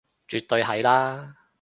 絕對係啦